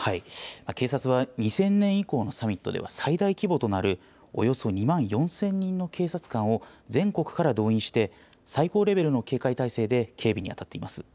警察は２０００年以降のサミットでは最大規模となるおよそ２万４０００人の警察官を全国から動員して最高レベルの警戒態勢で警備に当たっています。